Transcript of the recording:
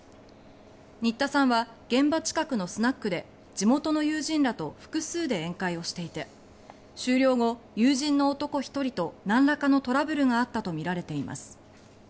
新田さんは現場近くのスナックで地元の友人らと複数で宴会をしていて終了後、友人の男１人となんらかのトラブルがあったとみられています。